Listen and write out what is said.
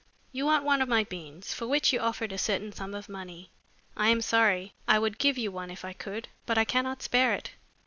"You want one of my beans, for which you offered a certain sum of money. I am sorry. I would give you one if I could, but I cannot spare it.